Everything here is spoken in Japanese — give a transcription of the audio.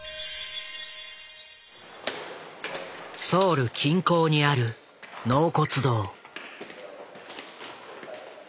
ソウル近郊にある納骨堂。